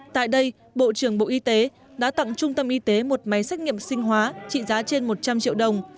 tại đây bộ trưởng bộ y tế đã tặng trung tâm y tế một máy xét nghiệm sinh hóa trị giá trên một trăm linh triệu đồng